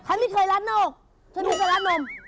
ใครไม่เคยลัดหน้าอก